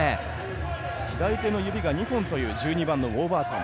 左手の指が２本というウォーバートン。